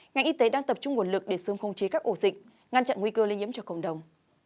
ngành y tế đang tập trung nguồn lực để sớm không chế các ổ dịch ngăn chặn nguy cơ lây nhiễm cho cộng đồng